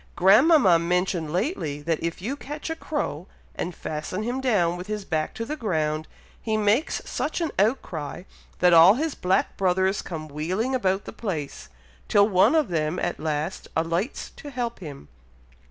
Grandmama mentioned lately, that, if you catch a crow, and fasten him down with his back to the ground, he makes such an outcry, that all his black brothers come wheeling about the place, till one of them at last alights to help him.